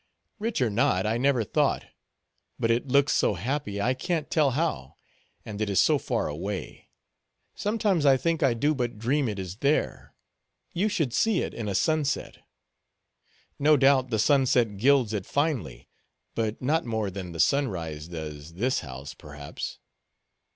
"Rich or not, I never thought; but it looks so happy, I can't tell how; and it is so far away. Sometimes I think I do but dream it is there. You should see it in a sunset." "No doubt the sunset gilds it finely; but not more than the sunrise does this house, perhaps."